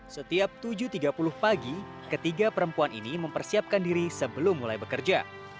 setiap tujuh tiga puluh pagi ketiga perempuan ini mempersiapkan diri sebelum mulai bekerja